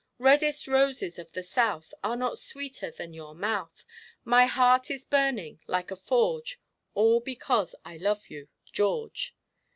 "Reddest roses of the South Are not sweeter than your mouth; My heart is burning like a forge, All because I love you George.